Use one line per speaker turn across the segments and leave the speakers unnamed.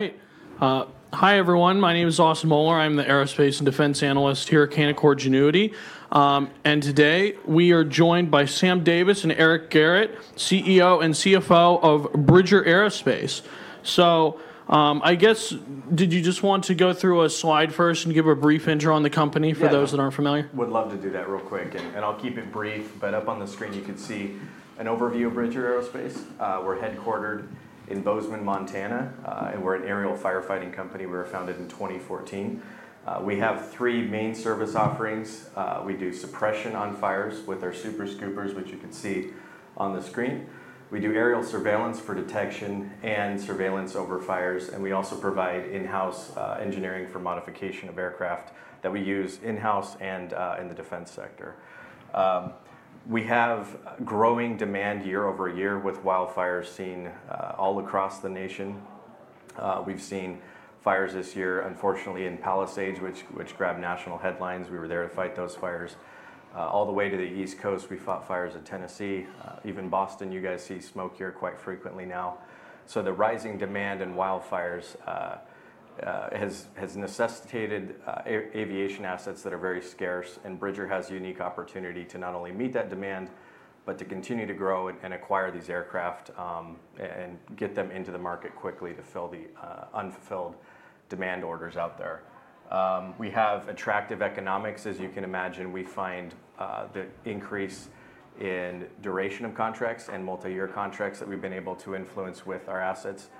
Hey, hi everyone. My name is Austin Moeller. I'm the Aerospace and Defense Analyst here at Canaccord Genuity, and today we are joined by Sam Davis and Eric Gerratt, CEO and CFO of Bridger Aerospace Group. I guess, did you just want to go through a slide first and give a brief intro on the company for those that aren't familiar?
Would love to do that real quick, and I'll keep it brief. Up on the screen, you could see an overview of Bridger Aerospace. We're headquartered in Bozeman, Montana, and we're an aerial firefighting company. We were founded in 2014. We have three main service offerings. We do suppression on fires with our super scoopers, which you can see on the screen. We do aerial surveillance for detection and surveillance over fires, and we also provide in-house engineering for modification of aircraft that we use in-house and in the defense sector. We have a growing demand year-over-year with wildfires seen all across the nation. We've seen fires this year, unfortunately, in Palisades, which grabbed national headlines. We were there to fight those fires. All the way to the East Coast, we fought fires in Tennessee. Even Boston, you guys see smoke here quite frequently now. The rising demand in wildfires has necessitated aviation assets that are very scarce, and Bridger has a unique opportunity to not only meet that demand, but to continue to grow and acquire these aircraft, and get them into the market quickly to fill the unfulfilled demand orders out there. We have attractive economics, as you can imagine. We find the increase in duration of contracts and multi-year contracts that we've been able to influence with our assets,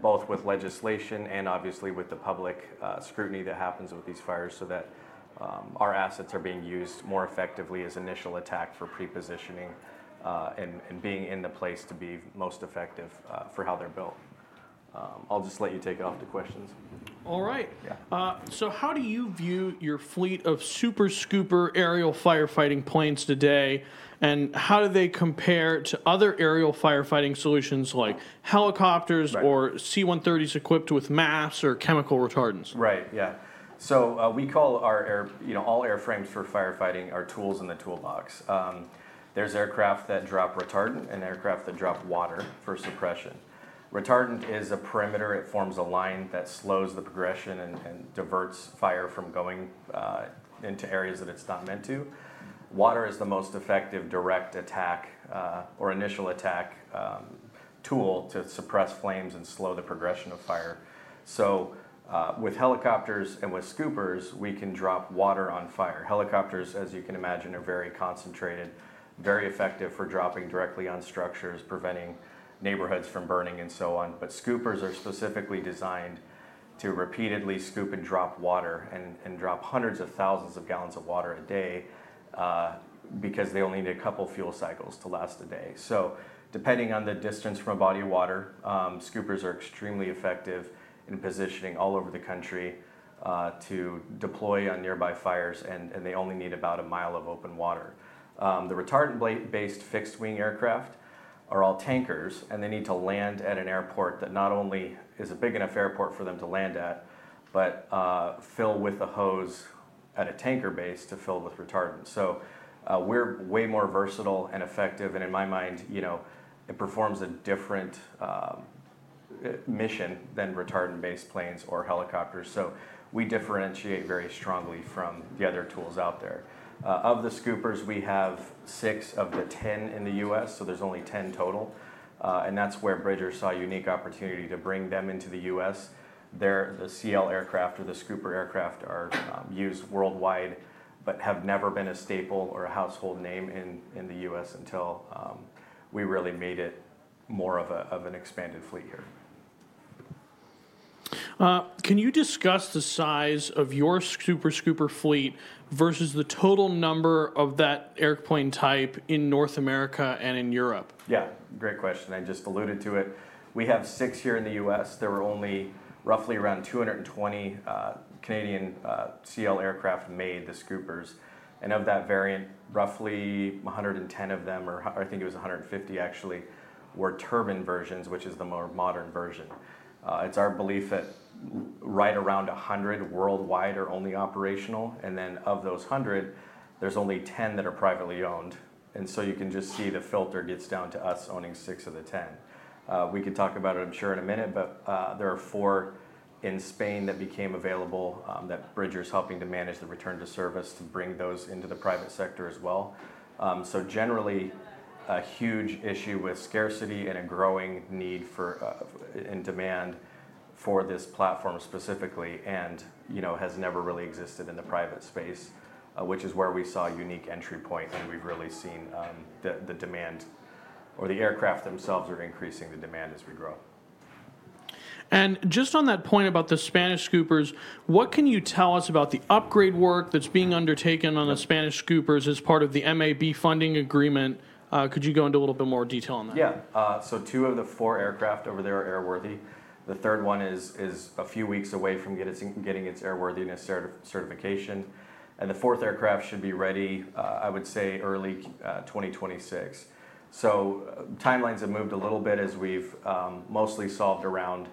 both with legislation and obviously with the public scrutiny that happens with these fires so that our assets are being used more effectively as initial attack for pre-positioning, and being in the place to be most effective for how they're built. I'll just let you take it off to questions.
All right. How do you view your fleet of super scooper aerial firefighting planes today, and how do they compare to other aerial firefighting solutions like helicopters or C-130s equipped with MAS or chemical retardants?
Right, yeah. We call our air, you know, all airframes for firefighting are tools in the toolbox. There's aircraft that drop retardant and aircraft that drop water for suppression. Retardant is a perimeter; it forms a line that slows the progression and diverts fire from going into areas that it's not meant to. Water is the most effective direct attack, or initial attack, tool to suppress flames and slow the progression of fire. With helicopters and with scoopers, we can drop water on fire. Helicopters, as you can imagine, are very concentrated, very effective for dropping directly on structures, preventing neighborhoods from burning, and so on. Scoop ers are specifically designed to repeatedly scoop and drop water and drop hundreds of thousands of gallons of water a day, because they only need a couple of fuel cycles to last a day. Depending on the distance from a body of water, scoopers are extremely effective in positioning all over the country to deploy on nearby fires, and they only need about a mile of open water. The retardant-based fixed-wing aircraft are all tankers, and they need to land at an airport that not only is a big enough airport for them to land at, but fill with a hose at a tanker base to fill with retardant. We're way more versatile and effective, and in my mind, you know, it performs a different mission than retardant-based planes or helicopters. We differentiate very strongly from the other tools out there. Of the scoopers, we have six of the 10 in the U.S., so there's only 10 total. That's where Bridger saw a unique opportunity to bring them into the U.S. The CL-series "super scooper" aircraft or the scooper aircraft are used worldwide, but have never been a staple or a household name in the U.S. until we really made it more of an expanded fleet here.
Can you discuss the size of your super scooper fleet versus the total number of that airplane type in North America and in Europe?
Yeah, great question. I just alluded to it. We have six here in the U.S. There were only roughly around 220 Canadian CL aircraft made, the scoopers. Of that variant, roughly 110 of them, or I think it was 150 actually, were turbine versions, which is the more modern version. It's our belief that right around 100 worldwide are only operational. Of those 100, there's only 10 that are privately owned. You can just see the filter gets down to us owning six of the 10. We could talk about it, I'm sure, in a minute, but there are four in Spain that became available that Bridger is helping to manage the return to service to bring those into the private sector as well. Generally, a huge issue with scarcity and a growing need for, and demand for, this platform specifically has never really existed in the private space, which is where we saw a unique entry point and we've really seen the demand, or the aircraft themselves, are increasing the demand as we grow.
On that point about the Spanish scoopers, what can you tell us about the upgrade work that's being undertaken on the Spanish scoopers as part of the MAB Funding agreement? Could you go into a little bit more detail on that?
Yeah, so two of the four aircraft over there are airworthy. The third one is a few weeks away from getting its airworthiness certification. The fourth aircraft should be ready, I would say, early 2026. Timelines have moved a little bit as we've mostly solved around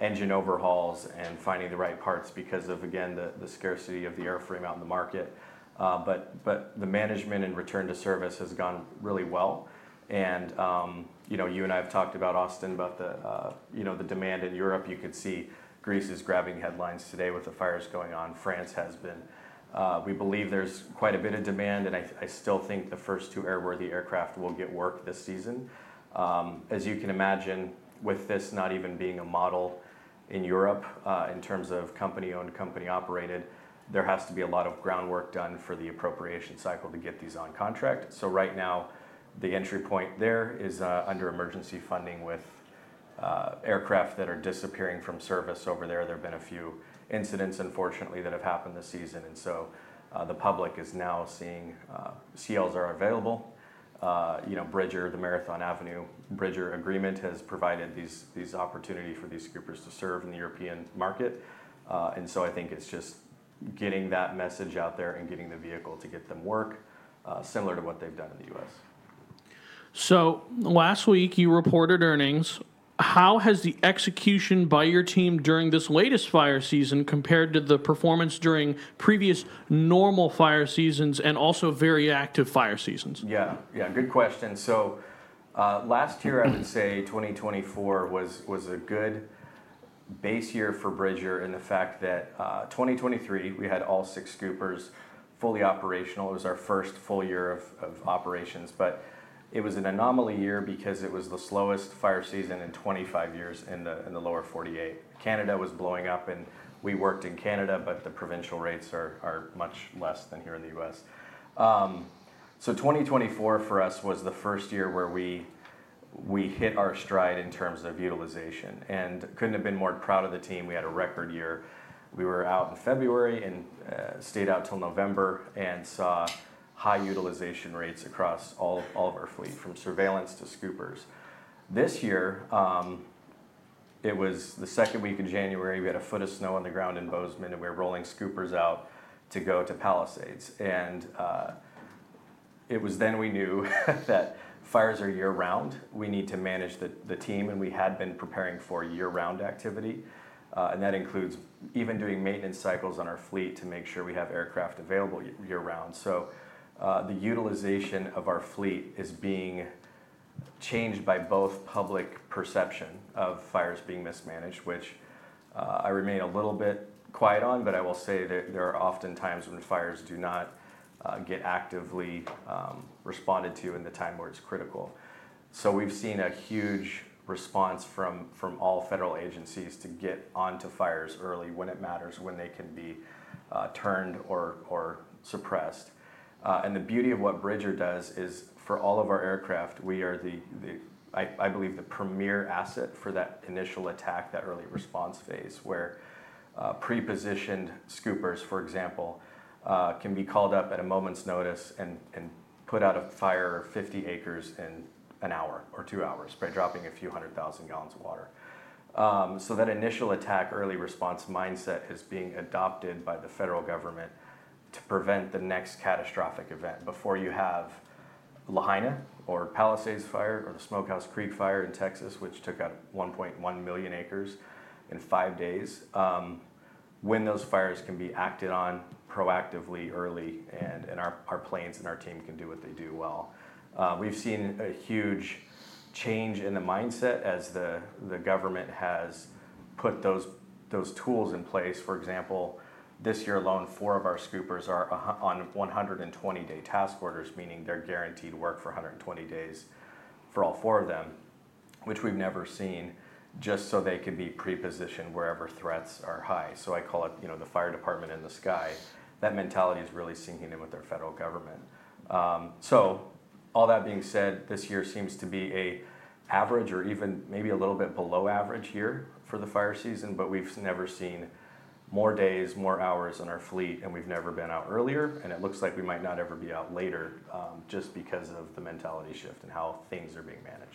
engine overhauls and finding the right parts because of, again, the scarcity of the airframe out in the market. The management and return to service has gone really well. You and I have talked about, Austin, the demand in Europe. You could see Greece is grabbing headlines today with the fires going on. France has been. We believe there's quite a bit of demand, and I still think the first two airworthy aircraft will get worked this season. As you can imagine, with this not even being a model in Europe, in terms of company-owned, company-operated, there has to be a lot of groundwork done for the appropriation cycle to get these on contract. Right now, the entry point there is under emergency funding with aircraft that are disappearing from service over there. There have been a few incidents, unfortunately, that have happened this season. The public is now seeing CLs are available. Bridger, the Marathon Avenue Bridger agreement has provided these opportunities for these scoopers to serve in the European market. I think it's just getting that message out there and getting the vehicle to get them work, similar to what they've done in the U.S.
Last week you reported earnings. How has the execution by your team during this latest fire season compared to the performance during previous normal fire seasons and also very active fire seasons?
Yeah, good question. Last year, I would say 2024 was a good base year for Bridger in the fact that 2023 we had all six scoopers fully operational. It was our first full year of operations, but it was an anomaly year because it was the slowest fire season in 25 years in the lower 48. Canada was blowing up and we worked in Canada, but the provincial rates are much less than here in the U.S. 2024 for us was the first year where we hit our stride in terms of utilization and couldn't have been more proud of the team. We had a record year. We were out in February and stayed out till November and saw high utilization rates across all of our fleet from surveillance to scoopers. This year, it was the second week of January. We had a foot of snow on the ground in Bozeman, and we were rolling scoopers out to go to Palisades. It was then we knew that fires are year-round. We need to manage the team, and we had been preparing for year-round activity. That includes even doing maintenance cycles on our fleet to make sure we have aircraft available year-round. The utilization of our fleet is being changed by both public perception of fires being mismanaged, which I remain a little bit quiet on, but I will say that there are often times when fires do not get actively responded to in the time where it's critical. We've seen a huge response from all federal agencies to get onto fires early when it matters, when they can be turned or suppressed. The beauty of what Bridger does is for all of our aircraft, we are the, I believe, the premier asset for that initial attack, that early response phase where pre-positioned scoopers, for example, can be called up at a moment's notice and put out a fire of 50 acres in an hour or two hours by dropping a few hundred thousand gallons of water. That initial attack, early response mindset is being adopted by the federal government to prevent the next catastrophic event before you have Lahaina or Palisades fire or the Smokehouse Creek fire in Texas, which took out 1.1 million acres in five days. When those fires can be acted on proactively early and our planes and our team can do what they do well, we've seen a huge change in the mindset as the government has put those tools in place. For example, this year alone, four of our scoopers are on 120-day task orders, meaning they're guaranteed work for 120 days for all four of them, which we've never seen, just so they could be pre-positioned wherever threats are high. I call it, you know, the fire department in the sky. That mentality is really sinking in with their federal government. All that being said, this year seems to be an average or even maybe a little bit below average year for the fire season, but we've never seen more days, more hours in our fleet, and we've never been out earlier. It looks like we might not ever be out later, just because of the mentality shift and how things are being managed.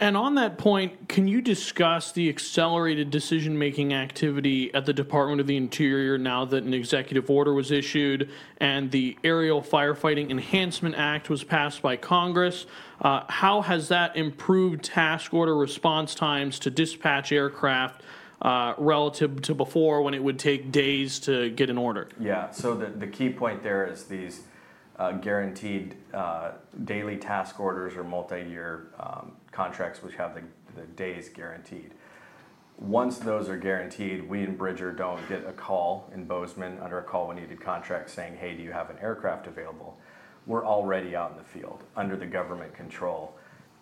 On that point, can you discuss the accelerated decision-making activity at the Department of the Interior now that an executive order was issued and the Aerial Firefighting Enhancement Act was passed by Congress? How has that improved task order response times to dispatch aircraft, relative to before when it would take days to get an order?
Yeah, so the key point there is these guaranteed daily task orders or multi-year contracts which have the days guaranteed. Once those are guaranteed, we in Bridger don't get a call in Bozeman under a call-needed contract saying, "Hey, do you have an aircraft available?" We're already out in the field under the government control,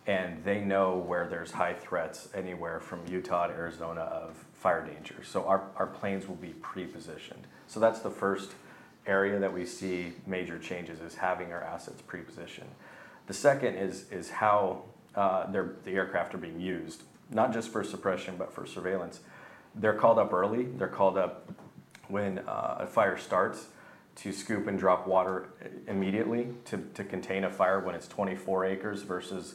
and they know where there's high threats anywhere from Utah to Arizona of fire danger. Our planes will be pre-positioned. That's the first area that we see major changes, having our assets pre-positioned. The second is how the aircraft are being used, not just for suppression, but for surveillance. They're called up early. They're called up when a fire starts to scoop and drop water immediately to contain a fire when it's 24 acres versus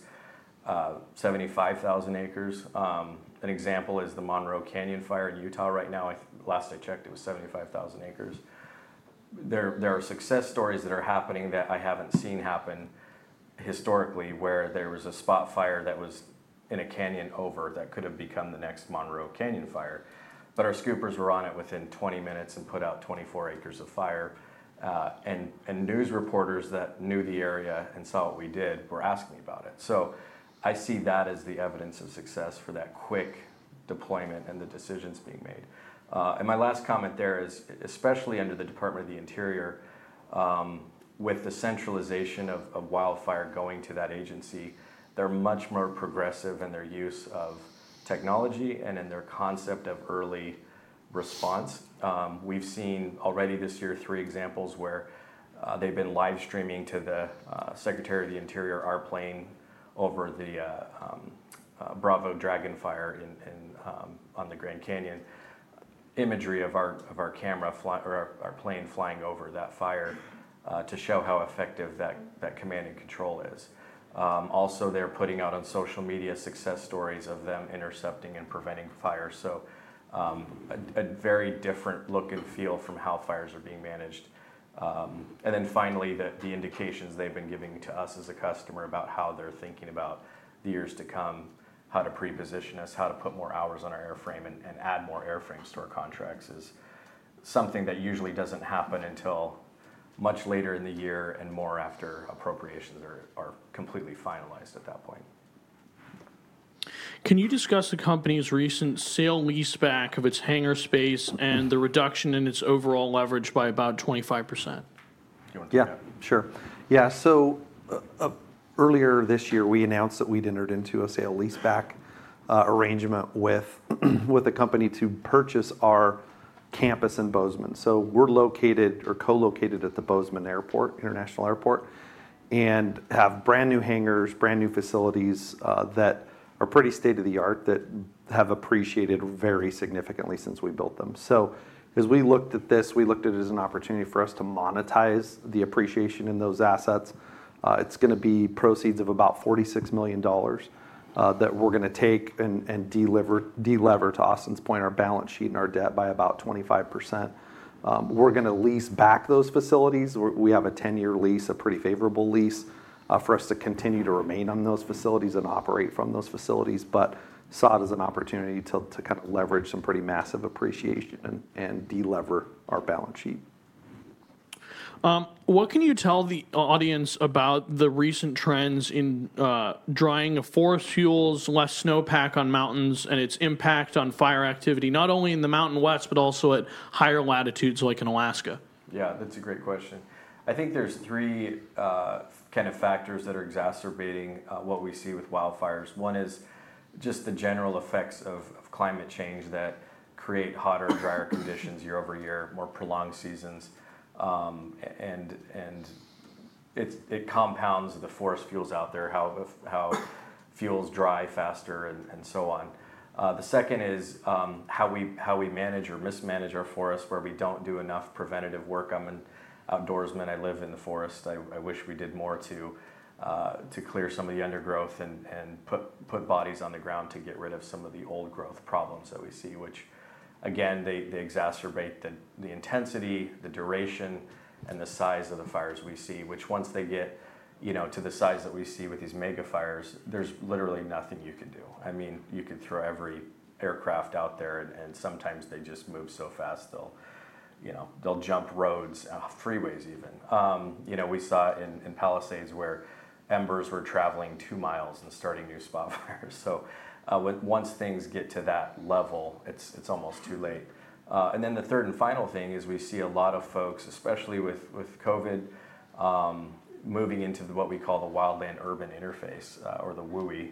75,000 acres. An example is the Monroe Canyon fire in Utah right now. Last I checked, it was 75,000 acres. There are success stories that are happening that I haven't seen happen historically where there was a spot fire that was in a canyon over that could have become the next Monroe Canyon fire. Our scoopers were on it within 20 minutes and put out 24 acres of fire. News reporters that knew the area and saw what we did were asking me about it. I see that as the evidence of success for that quick deployment and the decisions being made. My last comment there is, especially under the Department of the Interior, with the centralization of wildfire going to that agency, they're much more progressive in their use of technology and in their concept of early response. We've seen already this year three examples where they've been live streaming to the Secretary of the Interior airplane over the Bravo Dragon fire on the Grand Canyon. Imagery of our camera or our plane flying over that fire to show how effective that command and control is. Also, they're putting out on social media success stories of them intercepting and preventing fire. A very different look and feel from how fires are being managed. Finally, the indications they've been giving to us as a customer about how they're thinking about the years to come, how to pre-position us, how to put more hours on our airframe and add more airframes to our contracts is something that usually doesn't happen until much later in the year and more after appropriations are completely finalized at that point.
Can you discuss the company's recent sale-leaseback of its hangar space and the reduction in its overall leverage by about 25%?
Yeah, sure. Earlier this year, we announced that we'd entered into a sale-leaseback arrangement with the company to purchase our campus in Bozeman. We're located or co-located at the Bozeman International Airport and have brand new hangars, brand new facilities that are pretty state-of-the-art that have appreciated very significantly since we built them. As we looked at this, we looked at it as an opportunity for us to monetize the appreciation in those assets. It's going to be proceeds of about $46 million that we're going to take and, to Austin's point, deleverage our balance sheet and our debt by about 25%. We're going to lease back those facilities. We have a 10-year lease, a pretty favorable lease for us to continue to remain on those facilities and operate from those facilities, and saw it as an opportunity to kind of leverage some pretty massive appreciation and deleverage our balance sheet.
What can you tell the audience about the recent trends in drying of forest fuels, less snowpack on mountains, and its impact on fire activity, not only in the Mountain West, but also at higher latitudes like in Alaska?
Yeah, that's a great question. I think there's three kind of factors that are exacerbating what we see with wildfires. One is just the general effects of climate change that create hotter, drier conditions year-over-year, more prolonged seasons, and it compounds the forest fuels out there, how fuels dry faster and so on. The second is how we manage or mismanage our forests where we don't do enough preventative work. I'm an outdoorsman. I live in the forest. I wish we did more to clear some of the undergrowth and put bodies on the ground to get rid of some of the old growth problems that we see, which again, they exacerbate the intensity, the duration, and the size of the fires we see, which once they get, you know, to the size that we see with these mega fires, there's literally nothing you can do. I mean, you could throw every aircraft out there, and sometimes they just move so fast, they'll, you know, they'll jump roads, freeways even. You know, we saw in Palisades where embers were traveling two miles and starting new spot fires. Once things get to that level, it's almost too late. The third and final thing is we see a lot of folks, especially with COVID, moving into what we call the wildland urban interface or the WUI,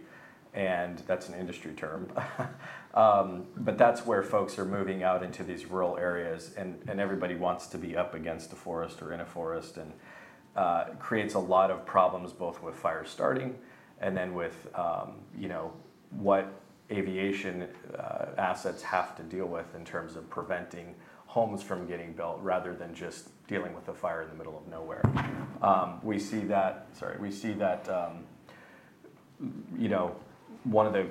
and that's an industry term, but that's where folks are moving out into these rural areas and everybody wants to be up against the forest or in a forest and creates a lot of problems both with fire starting and then with, you know, what aviation assets have to deal with in terms of preventing homes from getting built rather than just dealing with a fire in the middle of nowhere. We see that, you know, one of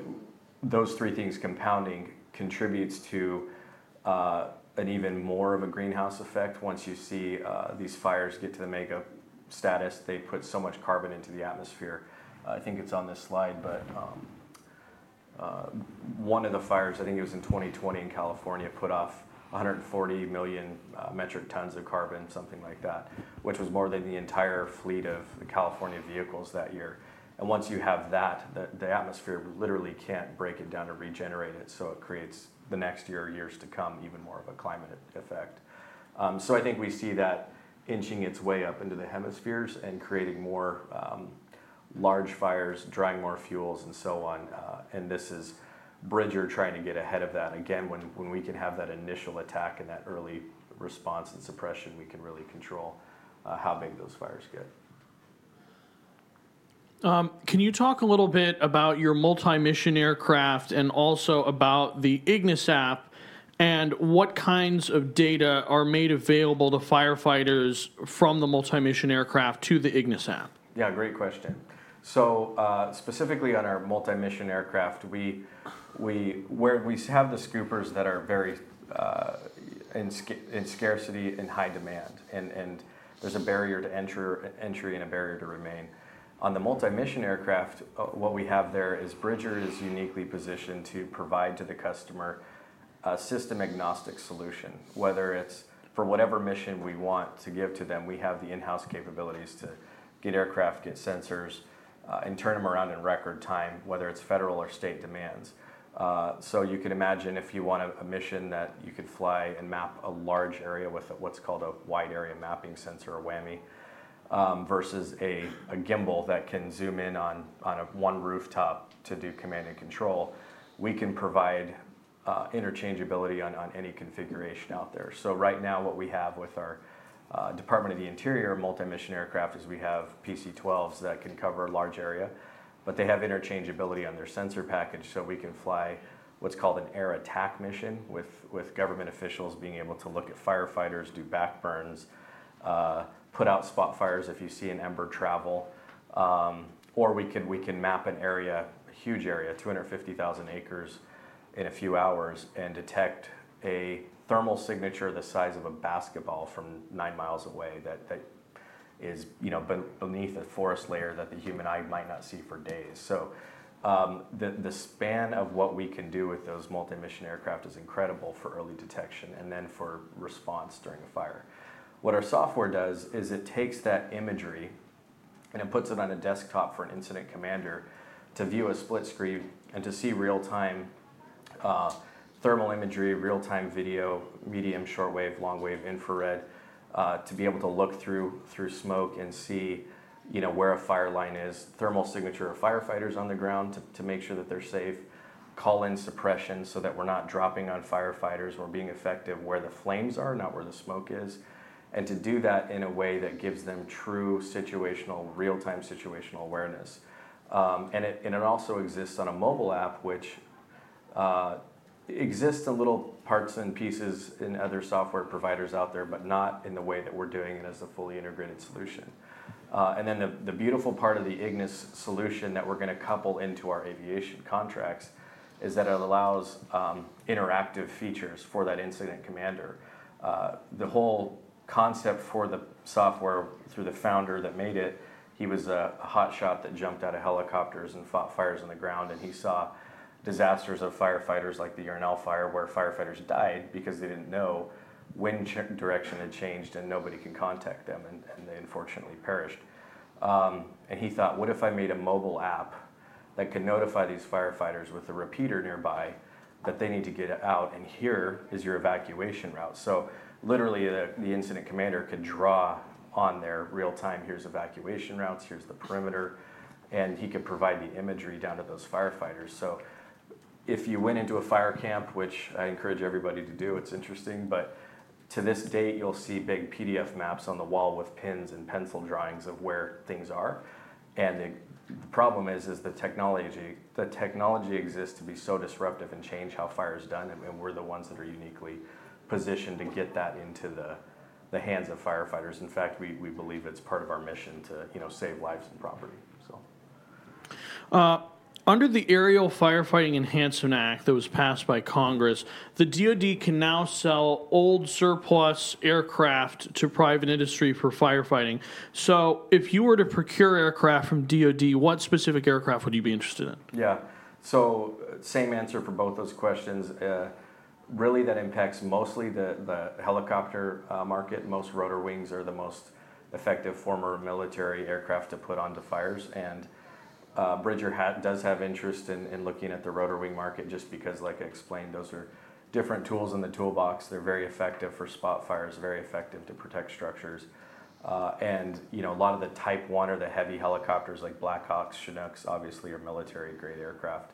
those three things compounding contributes to even more of a greenhouse effect once you see these fires get to the mega status. They put so much carbon into the atmosphere. I think it's on this slide, but one of the fires, I think it was in 2020 in California, put off 140 million metric tons of carbon, something like that, which was more than the entire fleet of California vehicles that year. Once you have that, the atmosphere literally can't break it down to regenerate it. It creates the next year or years to come even more of a climate effect. I think we see that inching its way up into the hemispheres and creating more large fires, drying more fuels, and so on. This is Bridger trying to get ahead of that. When we can have that initial attack and that early response and suppression, we can really control how big those fires get.
Can you talk a little bit about your multi-mission aircraft and also about the Ignis app and what kinds of data are made available to firefighters from the multi-mission aircraft to the Ignis app?
Yeah, great question. Specifically on our multi-mission aircraft, we have the scoopers that are very in scarcity and high demand, and there's a barrier to entry and a barrier to remain. On the multi-mission aircraft, what we have there is Bridger is uniquely positioned to provide to the customer a system-agnostic solution, whether it's for whatever mission we want to give to them. We have the in-house capabilities to get aircraft, get sensors, and turn them around in record time, whether it's federal or state demands. You could imagine if you want a mission that you could fly and map a large area with what's called a wide area mapping sensor or WAMI versus a gimbal that can zoom in on one rooftop to do command and control. We can provide interchangeability on any configuration out there. Right now, what we have with our Department of the Interior multi-mission aircraft is we have PC-12s that can cover a large area, but they have interchangeability on their sensor package. We can fly what's called an air attack mission with government officials being able to look at firefighters, do backburns, put out spot fires if you see an ember travel, or we can map an area, a huge area, 250,000 acres in a few hours and detect a thermal signature the size of a basketball from nine miles away that is beneath a forest layer that the human eye might not see for days. The span of what we can do with those multi-mission aircraft is incredible for early detection and then for response during a fire. What our software does is it takes that imagery and it puts it on a desktop for an incident commander to view a split screen and to see real-time thermal imagery, real-time video, medium, short wave, long wave, infrared, to be able to look through smoke and see where a fire line is, thermal signature of firefighters on the ground to make sure that they're safe, call in suppression so that we're not dropping on firefighters. We're being effective where the flames are, not where the smoke is, and to do that in a way that gives them true situational, real-time situational awareness. It also exists on a mobile app, which exists in little parts and pieces in other software providers out there, but not in the way that we're doing it as a fully integrated solution. The beautiful part of the Ignis solution that we're going to couple into our aviation contracts is that it allows interactive features for that incident commander. The whole concept for the software through the founder that made it, he was a hotshot that jumped out of helicopters and fought fires on the ground, and he saw disasters of firefighters like the Yarnell fire where firefighters died because they didn't know when direction had changed and nobody could contact them, and they unfortunately perished. He thought, what if I made a mobile app that could notify these firefighters with a repeater nearby that they need to get out, and here is your evacuation route. Literally, the incident commander could draw on their real-time, here's evacuation routes, here's the perimeter, and he could provide the imagery down to those firefighters. If you went into a fire camp, which I encourage everybody to do, it's interesting, but to this date, you'll see big PDF maps on the wall with pins and pencil drawings of where things are. The problem is, the technology exists to be so disruptive and change how fire is done, and we're the ones that are uniquely positioned to get that into the hands of firefighters. In fact, we believe it's part of our mission to, you know, save lives and property.
Under the Aerial Firefighting Enhancement Act that was passed by Congress, the DOD can now sell old surplus aircraft to private industry for firefighting. If you were to procure aircraft from DOD, what specific aircraft would you be interested in?
Yeah, so same answer for both those questions. Really, that impacts mostly the helicopter market. Most rotorcraft are the most effective former military aircraft to put onto fires, and Bridger does have interest in looking at the rotorcraft market just because, like I explained, those are different tools in the toolbox. They're very effective for spot fires, very effective to protect structures, and you know, a lot of the Type 1 or the heavy helicopters like Blackhawks, Chinooks obviously are military-grade aircraft.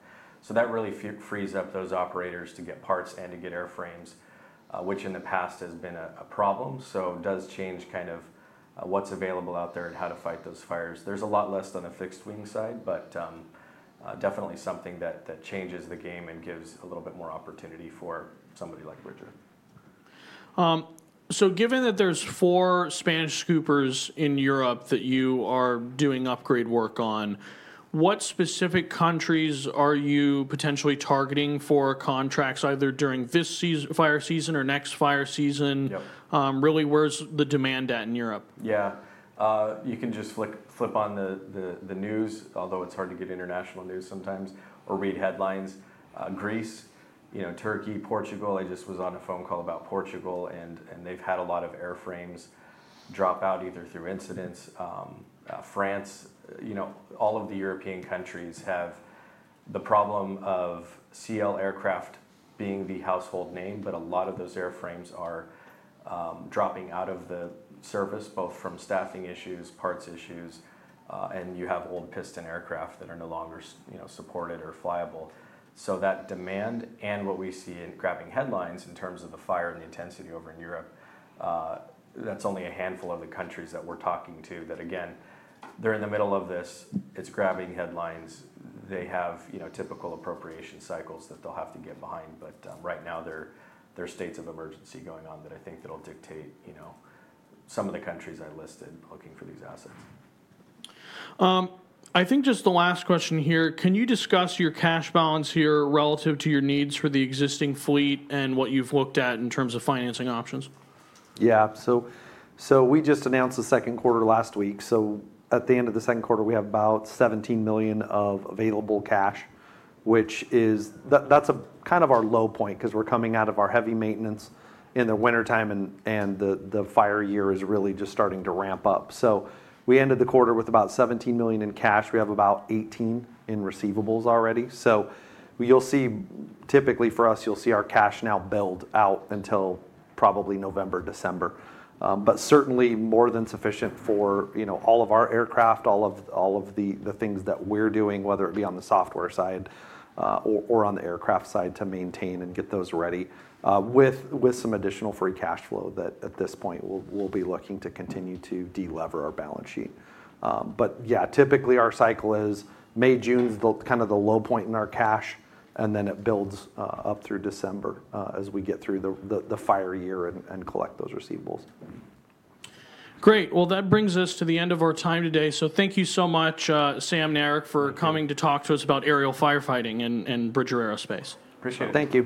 That really frees up those operators to get parts and to get airframes, which in the past has been a problem. It does change kind of what's available out there and how to fight those fires. There's a lot less on the fixed wing side, but definitely something that changes the game and gives a little bit more opportunity for somebody like Bridger.
Given that there's four Spanish scoopers in Europe that you are doing upgrade work on, what specific countries are you potentially targeting for contracts either during this fire season or next fire season? Really, where's the demand at in Europe?
Yeah, you can just flip on the news, although it's hard to get international news sometimes, or read headlines. Greece, you know, Turkey, Portugal, I just was on a phone call about Portugal, and they've had a lot of airframes drop out either through incidents. France, you know, all of the European countries have the problem of CL aircraft being the household name, but a lot of those airframes are dropping out of the service both from staffing issues, parts issues, and you have old piston aircraft that are no longer, you know, supported or flyable. That demand and what we see in grabbing headlines in terms of the fire and the intensity over in Europe, that's only a handful of the countries that we're talking to that, again, they're in the middle of this. It's grabbing headlines. They have, you know, typical appropriation cycles that they'll have to get behind, but right now there are states of emergency going on that I think that'll dictate, you know, some of the countries I listed looking for these assets.
I think just the last question here. Can you discuss your cash balance here relative to your needs for the existing fleet and what you've looked at in terms of financing options?
Yeah, we just announced the second quarter last week. At the end of the second quarter, we have about $17 million of available cash, which is kind of our low point because we're coming out of our heavy maintenance in the wintertime, and the fire year is really just starting to ramp up. We ended the quarter with about $17 million in cash. We have about $18 million in receivables already. Typically for us, you'll see our cash now build out until probably November, December, but certainly more than sufficient for all of our aircraft, all of the things that we're doing, whether it be on the software side or on the aircraft side to maintain and get those ready with some additional free cash flow that at this point we'll be looking to continue to deleverage our balance sheet. Typically our cycle is May, June, kind of the low point in our cash, and then it builds up through December as we get through the fire year and collect those receivables.
Great. That brings us to the end of our time today. Thank you so much, Sam and Eric, for coming to talk to us about aerial firefighting and Bridger Aerospace.
Appreciate it. Thank you.